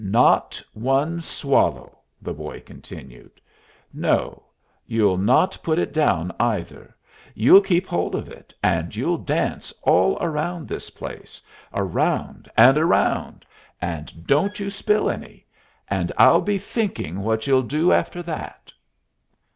"Not one swallow," the boy continued. "No, you'll not put it down either. You'll keep hold of it, and you'll dance all round this place. Around and around. And don't you spill any. And I'll be thinking what you'll do after that."